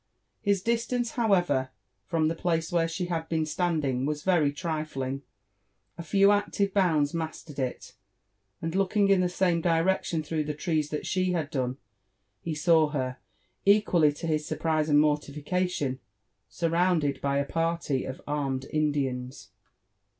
His distance, however, from the place where she had been standing was very trifling — ^a few active bouqds mastered it ; and looking in the same direction through the trees that she had done, he saw her, equally to his surprise and mortification, surrounded by a party of armed Indians.